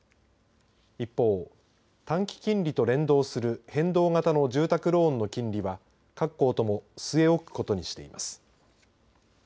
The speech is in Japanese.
一方、短期金利と連動する変動型の住宅ローンの金利は、各行とも据え置くことにしています。